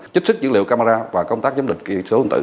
chích sức dữ liệu camera và công tác giám đỉnh kỳ số hình tử